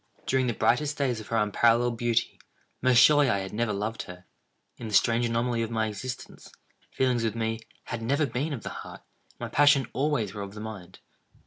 During the brightest days of her unparalleled beauty, most surely I had never loved her. In the strange anomaly of my existence, feelings with me, had never been of the heart, and my passions always were of the mind.